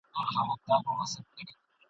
لمن له کاڼو ډکه وړي اسمان په باور نه دی !.